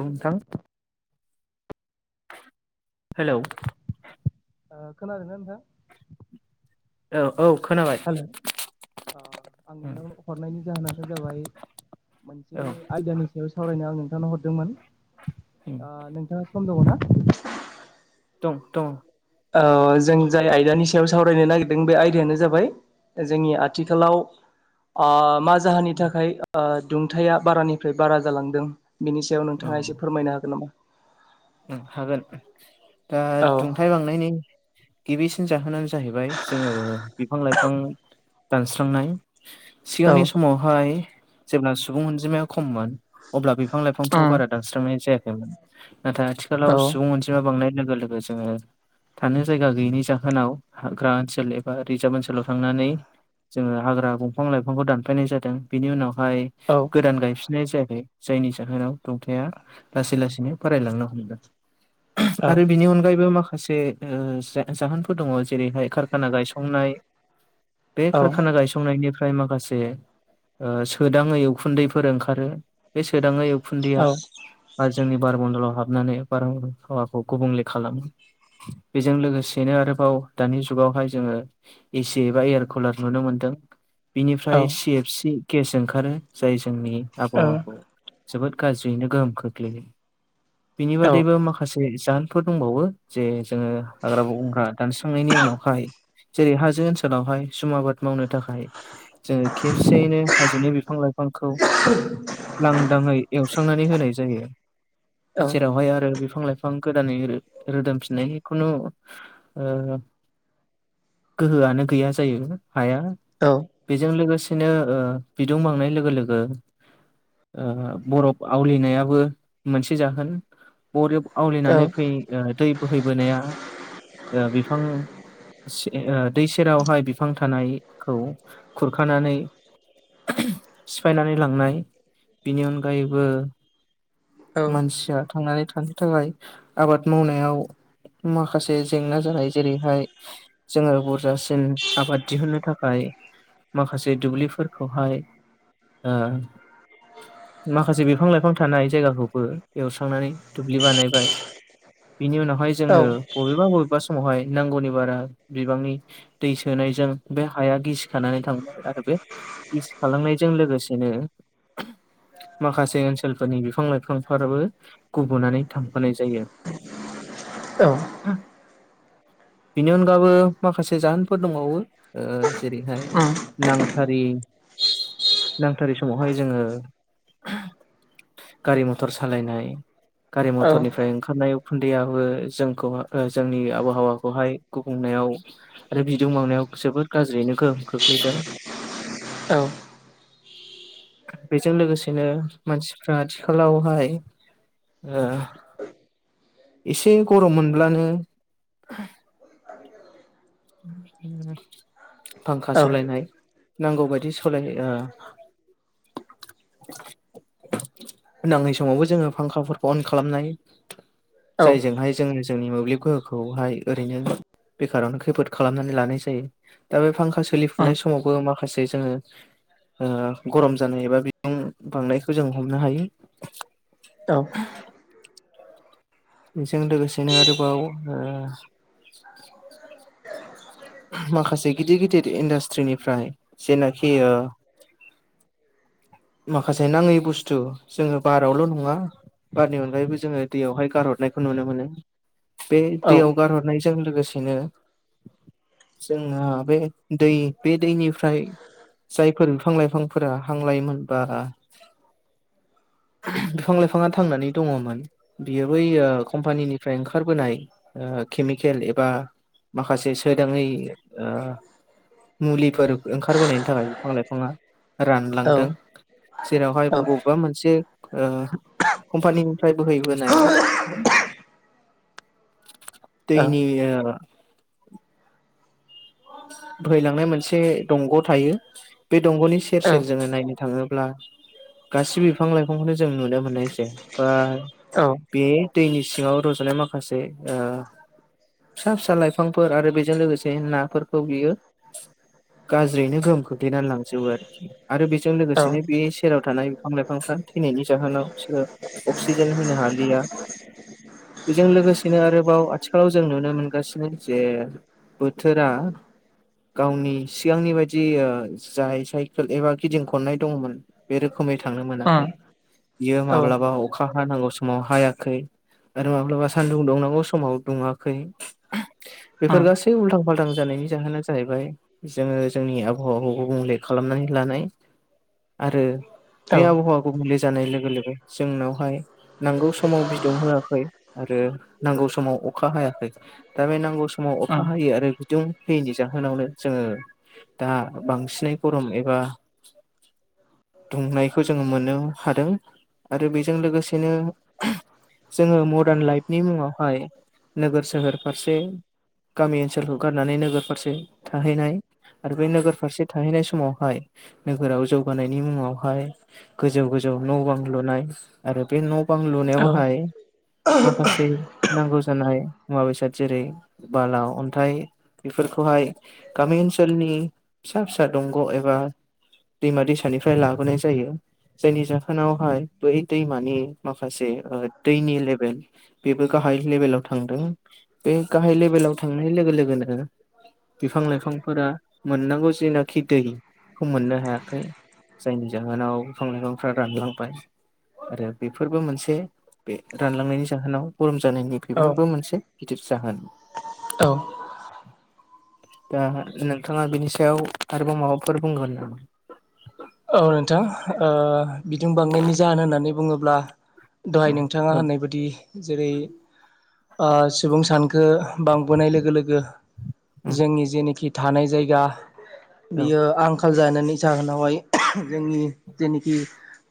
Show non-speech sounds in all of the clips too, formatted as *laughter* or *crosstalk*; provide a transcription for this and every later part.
औ थां। हेलौ ओ खोनादोंना नोंथां? औ खोनाबाय। हेलौ ओ आं नोंथांमोन हरनायनि जाहोनानो जाबाय। औ मोनसे आयदानि सायाव सावरायनो आं नोंथांनो हरदोंमोन। ओ नोंथाङा सम दङ ना? दं दं। औ जों जाय आयदानि सायाव सावरायनो नागिरदों बे आयदायानो जाबाय। जोंनि आथिखालाव आ मा जाहोननि थाखाय ओ दुंथाया बारानिफ्राय बारा जालांदों। बिनि सायाव नोंथाङा एसे फोरमायनो हागोन नामा? ओं हागोन दा औ दुंथाय बांनायनि गिबिसिन जाहोनानो जाहैबाय जोङो बिफां लाइफां दानस्रांनाय औ सिगांनि समावहाय जेब्ला सुबुं अनजिमाया खममोन। अब्ला बिफां लाइफांखौ उम बारा दानस्रांनाय जायाखैमोन। नाथाय औ आथिखालाव सुबुं अनजिमा बांनाय लोग गो लोगो जोङो थानो जायगा गैयिनि जाहोनाव हाग्रा ओनसोल एबा रिजार्भ ओनसोलाव थांनानै। जोङो हाग्रा बंफां लाइफांखौ दानफायनाय जादों। बिनि उनाव हाय औ गोदान गायफिननाय जायाखै जायनि जाहोनाव दुंथाया लासै लासैनो बारायलांनो हमदों। औ आरो बिनि अनगायैबो माख खासे ओ जे जाहोनफोर दङ। जेरै हाय कारखाना गायसंनाय। बे औ खारखाना गायसंनायनिफ फ्राय माखासे ओ सोदाङै उखुन्दैफोर ओंखारो। बे स सोदाङै उखुन्दैया औ बा बारमन्दलाव हाबनानै बारहावाखौ गुबुंले खालामो। बेजों लोगोसेनो आरोबाव दानि जुगावहाय जोङो। एसि एबा एयार कुलार नुनो मोन दों। औ बिनिफ्राय सि एफ सि केस ओंखारो जाय जोंनि आबहावाखौ। जोबोद गाज्रियैनो गोहोम खोख्लैयो। बिनि बादैबो माखासे जाहोनफोर दंबावो। जे जोङो हाग्रा बंग्रा दानस्रांनायनि उनावहाय। जेरै हाजो ओनसोलावहाय जुम आबाद मावनो थाखाय। जों खेबसेयैनो हाजोनि बिफां लाइफांखौ लांदाङै एवस्रांनानै होनाय जायो। जेरावहाय आरो ओ बिफां लाइफां गोदानै रो-रोदोमफिननाय खुनु ओ गोहोआनो गैया जायो हाया। बेजों लोगोस सेनो ओ बिदुं बांनाय लोगो लोगो ओ बरफ आवलिनायाबो मोनसे जाहोन बरिब आवलिनानै औ फै दै बोहैबोनाया ओ बिफां सिं ओ दै सेरावहाय बिफां थानायखौ खुरखानानै सिफायनानै लांनाय बेनि अनगायैबो औ मानसिया थांनानै थानो थाखाय आबाद मावनायाव माखासे जेंना जानाय। जेरै हाय जोङो बुरजासिन आबाद दिहुननो थाखाय माखासे दुब्लिफोर खौहाय ओ माखासे बिफां लाइफां थानाय जायगाखौ बो एवस्रांनानै दुब्लि बानायबाय। बिनि उनावहाय औ जोङो बबेबा बबेबा स समावहाय नांगौनि बारा बिबांनि दै सोनायजों बे हाया गिसिखानानै थांबाय आरो। बे गिसि खालामनायजों लोगोसेनो माखासे ओनसोलफोरनि बिफां लाइफांफोराबो गुबुंनानै थांफानाय जायो। औ *inaudible* बिनि अनगाबो माखासे जाहोनफोर दंबावो ओ जेरैहाय नांथारि नांथारि समावहाय जोङो *inaudible* गारि मथर सालायनाय गारि मथरनिफ्राय ओंखारनाय उखुन्दैयाबो जोंखौ जोंनि आबहावाखौहाय गुबुंले आरो बिदुं बांनायाव जोबोद गाज्रियैनो गोहोम खोख्लैदों। औ। बेजों लोगोसेनो मानसिफ्रा आथिखालावहाय ओ एसे गरम मोनब्लानो फांखा सलायनाय नांगौ बायदि सालाय ओ नाङै समावबो जोङो फांखाफोरखौ अन खालामनाय। जायजोंहाय जोङो जोंनि मोब्लिब गोहोखौहाय ओरैनो बेखारावनो खैफोद खालामनानै लानाय जायो। दा बे फांखा सोलिफुनाय समावबो माखासे जोङो गरम जानाय एबा बिफां बांनायखौ जों हमनो हायो। औ बेजों लोगोसेनो आरोबाव ओ माखासे गिदिर गिदिर इन्डास्ट्रिनिफ्राय जेनाखि ओ माखासे नाङै बुस्थु जोङो बारावल' नङा बारनि अनगायैबो जोङो दैयावहाय गारहरनायखौ नुनो मोनो। बे दैयाव गारहरनायजों लोगोसेनो जोहा बे दै, बे दैनिफ्राय जायफोर बिफां लाइफांफोरा हांलायोमोन, बा *inaudible* बिफां लाइफाङा थांनानै दङमोन‌ बियो बै कम्पानिनिफ्राय ओंखारबोनाय ओ केमिकेल एबा माखासे सोदाङै ओ मुलिफोर ओंखारबोनायनि थाखाय बिफां लाइफाङा रानलांदों। जेरावहाय बबेबा मोनसे ओ कम्पानिनिफ्राय बोहैबोनाय *inaudible* दैनि बोहैलांनाय मोनसे दंग' थायो। बे दंग'नि सेर सेर जोङो नायनो थाङोब्ला गासिबो बिफां लाइफांखौनो जों नुनो मोननायसै बा बे दैनि सिङाव रज'नाय माखासे ओ फिसा फिसा लाइफांफोर आरो बेजों लोगोसे नाफोरखौ बियो गाज्रियैनो गोहोम खोख्लैनानै लांजोबो आरोखि। आरो बेजों लोगोसेनो बे सेराव थानाय बिफां लाइफांफ्रा थैनायनि जाहोनाव बिसोरो अक्सिजेन होनो हालिया। बेजों लोगोसेनो आरोबाव आथिखालाव जों नुनो मोनगासिनो जे बोथोरा *inaudible* गावनि सिगांनि बायदि जाय साइकेल एबा गिदिं खननाय दंमोन, बे रोखोमै थांनो मोनाखै। बियो माब्लाबा अखा हानांगौ समाव हायाखै, आरो माब्लाबा सानदुं दुंनांगौ समाव दुङाखै। बेफोर गासै उल्थां फाल्थां जानायनि जाहोना जाहैबाय, जोङो जोंनि आबहावाखौ गुबुंले खालामनानै लानाय। आरो बे आबहावा गुबुंले जानाय लोगो लोगो जोंनावहाय नांगौ समाव बिदुं होआखै आरो नांगौ समाव अखा हायाखै दा बे नांगौ समाव अखा हायि आरो बिदुं होयिनि जाहोनावनो जोङो दा बांसिनै गरम एबा दुंनायखौ जोङो मोननो हादों आरो बेजों लोगोसेनो जोङो मदार्न लाइफनि मुङावहाय नोगोर सोहोर फारसे गामि ओनसोलखौ गारनानै फारसे थाहैनाय आरो बे नोगोर फारसे थाहैनाय समावहाय नोगोराव जौगानायनि मुं ङावहाय गोजौ गोजौ न' बां लुनाय, आरो बे न' बां लुनायावहाय औ माखासे नांगौ जानाय मुवा बेसाद जेरै बाला अन्थाइ बेफोरखौहाय गामि ओनसोलनि फिसा फिसा दंग' एबा दैमा दैसानिफ्राय लाबोनाय जायो जायनि जाहोनावहाय बै दैमानि माखासे दैनि लेबेल बेबो गा हाय लेबेलाव थांदों बे गाहाय लेबेलाव थांनाय लोगो लोगोनो बिफां लाइफांफोरा मोननांगौ जेनाखि दैखौ मोननो हायाखै जायनि जाहोनाव बिफां लाइफांफ्रा रानलांबाय आरो बेफोरबो मोनसे बे रानलांनायनि जाहोनाव गरम औ जानायनिख्रुबो मोनसे गिदिर जाहोन औ दा नोंथाङा बिनि सायाव आरोबाव माबाफोर बुंगोन नामा औ नोंथां ओ बिदुं बांनायनि जाहोन होननानै बुङोब्ला दहाय नोंथाङा औ होननाय बायदि जेरै ओ सुबुं सानखो बांबोनाय लोगो लोगो औ जोंनि जेनोखि थानाय जायगा औ बियो आंखाल जानानै जाहोनावहाय जोंनि जेनोखि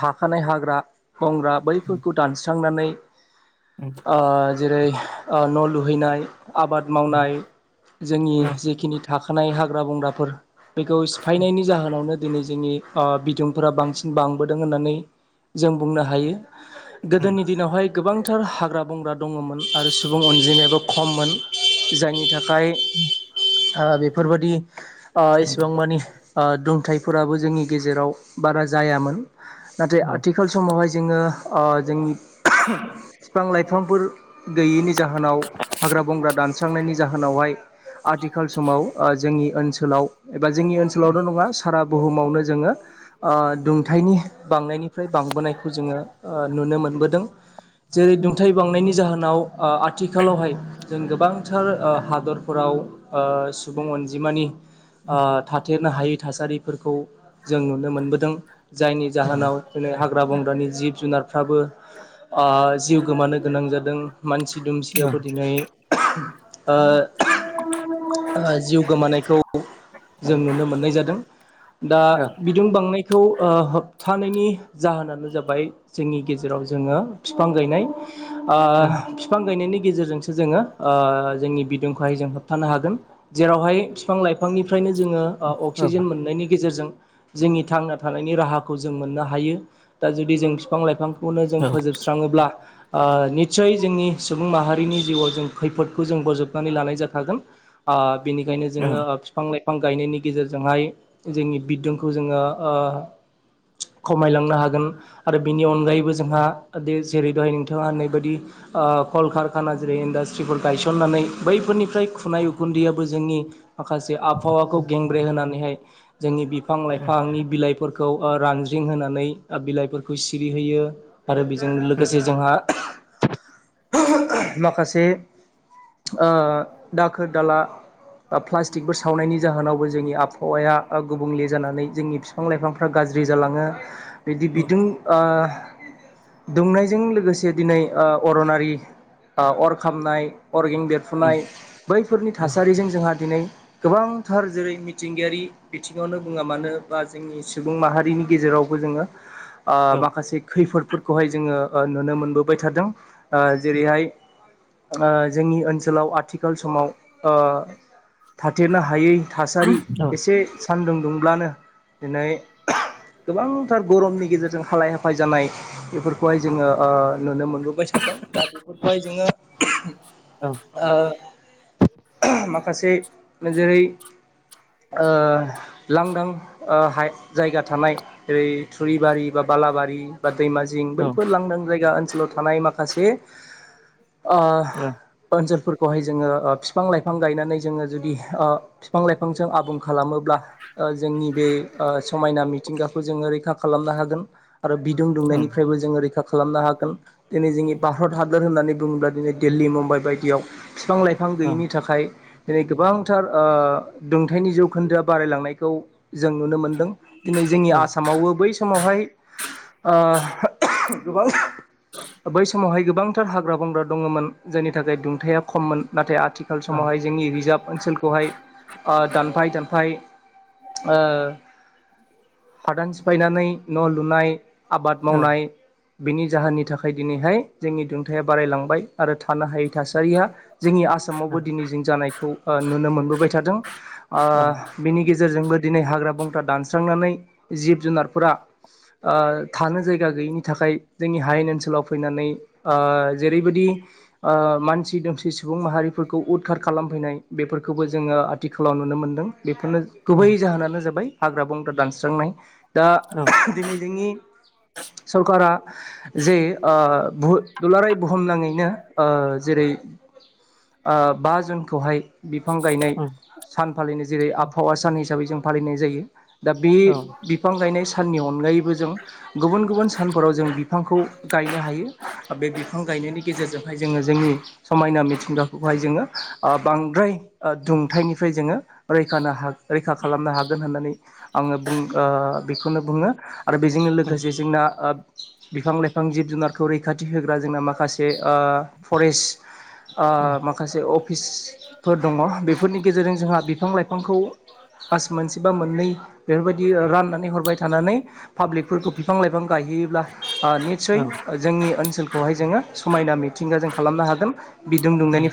थाखानाय हाग्रा बंग्रा बैफोरखौ दानस्रि दानस्रांनानै ओ जेरै ओ न' लुहैनाय आबाद मावनाय जोंनि जिखिनि थाखानाय हाग्रा बंग्राफोर बेखौ सिफायनायनि जाहोनावनो दिनै जोंनि ओ बिदुंफोरा बांसिन बांबोदों होननानै जों बुंनो हायो गोदोनि दिनावहाय गोबां थोर हाग्रा बंग्रा दङमोन आरो सुबुं अनजिमायाबो खममोन जायनि थाखाय खाय ओ बेफोर बायदि ओ इसिबां मानि ओ दुंथाइफोराबो जोंनि गेजेराव बारा जायामोन नाथाय औ आथिखाल समावहाय जोङो ओ जोंनि बिफां लाइफांफोर गैयैनि जाहोनाव हाग्रा बंग्रा दानस्रांनायनि जाहोनाव बहाय आथिखाल समाव ओ जोंनि ओनसोल सोलाव एबा जोंनि ओनसोलावल नङा सारा बुहुमावनो जोङो ओ दुंथायनि बांनायनिफ्राय बांबोनायखौ जोङो ओ नुनो मोनबोदों जेरै दुंथायाइ बांनायनि जाहोनाव ओ आथिखालावहाय जों गोबांथार ओ हादरफोराव ओ सुबुं अनजिमानि ओ थाथेरनो हायै थासारिफोरखौ जों नुनो मोनबोदों जायनि औ जाहोनाव दिनै हाग्रा बंग्रानि जिब जुनारफ्राबो ओ जिउ गोमानो गोनां जादों मानसि दुमसियाबो दिनै *inaudible* ओ जिउ गोमानायखौ जों नुनो मोननाय जादों दा थांनायखौ ओ होबथानायनि जाहोनानो जाबाय जोंनि गेजेराव जोङो बिफां गायनाय ओ बिफां गायनायनि गेजेरजोंसो जोङो ओ जोंनि बिदुंखौहाय जों होबथानो हागोन जेरावहाय बिफां लाइफांनिफ्रायनो जोङो ओ अक्सिजेन मोननायनि गेजेरजों जोंनि थांना थानायनि राहाखौ जों मोननो हायो दा जुदि जों बिफां लाइफांखौनो जों फोजोबस्राङोब्ला ओ निस्सय जोंनि सुबुं माहारिनि जिउआव जों खैफोदखौ जों बोजबनानै लानाय जाखागोन ओ बेनिखायनो जोङो ओ फिफां-लाइफां गायनायनि गेजेरजोंहाय जोंनि बिदुं खौ जोङो ओ खमायलांनो हागोन आरो बेनि अनगायै बो जोंहा दिस जेरै दहाय नोंथाङा होनाय बायदि ओ कलकारखाना जेरै इन्डास्ट्रिफोर गायसननानै बैफोरनिफ्राय खुनाय उखुन्दैयाबो जोंनि माखासे आबहावाखौ गेंब्रे होनानैहाय जोंनि बिफां लाइफांनि बिलाइफोरखौ ओ रानज्रिं होनानै ओ बिलाइफोरखौ सिरिहोयो आरो बेजों लोगोसे जोंहा माखासे ओ दाखोर दाला प्लास्टिकफोर सावनायनि जाहोनावबो जोंनि आबहावाया गुबुंले जानानै जोंनि फिफां लाइफांफ्रा गाज्रि जालाङो बिदि बिदुं ओ दुंनायजों लोगोसे दिनै ओ अरनारि ओ अर खामनाय अरगें बेरफुनाय बैफोरनि थासारिजों जोंहा दिनै गोबांथार जेरै मिथिंगायारि बिथिङावनो बुङा मानो बा जोंनि सुबुं माहारिनि गेजेरावबो जोङो ओ माखासे खैफोद फोरफोरखौहाय जोङो ओ नुनो मोनबोबाय थादों ओ जेरैहाय ओ जोंनि ओनसोलाव आथि आथिखाल समाव ओ थाथेरनो हायै थासारि एसे सान्दुं दुं ब्लानो दिनै गोबांथार गरमनि गेजेरजों हालाय हाफाय जानाय बेफोरखौहाय जोङो ओ नुनो मोनो। गुरबाय थादों दा बेफोरहाय जोङो ओ माखासे जेरै ओ लांदां ओ जायगा थानाय ओेरै थुरिबारि बा बालाबारि बा दैमा जिं बैफोर लांदां जायगा ओनसोलाव थानाय माखासे ओ ओनसोलफोर खौहाय जोङो फिफां-लाइफां गायनानै जोङो जुदि ओ बिफां लाइफांजों आबुं खालामोब्ला ओ जोंनि बे ओ समायना मिथिंगाखौ जोङो रैखा खालामनो हागोन। आरो बिदुं दुंनायनिफ्रायबो जोङो रैखा खालामनो हागोन दिनै जोंनि भारत हादोर होननानै बुङोब्ला दिनै दिल्ली मुम्बाइ बायदियाव फिफां-लाइफां गैयिनि थाखाय दिनै गोबांथार दोंथायाइनि जौखोन्दोआ बारायलांनाय खौ जों नुनो मोनदों। दिनै जोंनि आसामावबो बै समावहाय ओ गोबां बै समावहाय गोबांथार हाग्रा बंग्रा दङमोन जायनि थाखाय दुंथाया खममोन नाथाय आथ आथिखाल समावहाय जोंनि रिजार्भ ओनसोलखौहाय ओ दानफाय दानफाय ओ हादान सिफायनानै न' लुनाय आबाद मावनाय बिनि जाहोननि थाखाय दिनैहाय जोंनि दुंथाया बारायलांबाय आरो थानो हायै थासारिया जोंनि आसामावबो दिनै जों जानायखौ नुनो मोनबोबाय थादों ओ औ बेनि गेजे गेजेरजोंबो दिनै हाग्रा बंग्रा दानस्रांनानै जिब जुनारफोरा ओ थानो जायगा गैयिनि थाखाय जोंनि हायेन ओनसोलाव फैनानै ओ जेरैबायदि ओ मानसि दोमसि सुबुं माहारि फोरखौ उदखार खालामफैनाय बेफोरखौबो जोङो आथिखालाव नुनो मोनदों बेफोरनो औ गुबै जाहोनानो जाबाय हाग्रा बंग्रा दानस्रांनाय दा औ दिनै जोंनि सरकारा जे ओ बु दुलाराय बुहुमनाङैनो ओ जेरै ओ बा जुनखौहाय बिफां गायनाय औ सान फालिनो जेरै आबहावा सा सान हिसाबै जों फालिनाय जायो। दा बे औ बिफां गायनाय साननि अनगायैबो जों गुबुन गुबुन सानफोराव जों बिफांखौ गाय गायनो हायो बे बिफां गायनायनि गेजेरजोंहाय जोङो जोंनि समायना मिथिंगाखौहाय जोङो ओ बांद्राय ओ दुं हाथाइनिफ्राय जोङो रैखानो हा- रैखा खालामनो हागोन होननानै आङो बुं ओ बेखौनो बुङो आरो बेजोंनो लोगोसे जोंना ओ बिफां लाइफां जिब जुनारखौ रैखाथि होग्रा जोंना माखासे ओ फरेस्ट ओ माखासे अफिसफोर दङ बेफोरनि गेजेरजों जोंहा बिफां लाइ फांखौ आस मोनसे बा मोननै बेफोरबायदि राननानै हरबाय थानानै पाब्लिकफोरखौ बिफां लाइफां गायहैयोब्ला ओ औ निसय जोंनि ओनसोल खौहाय जोङो समायना मिथिंगा जों खालामनो हागोन बिदुं दुंनायनि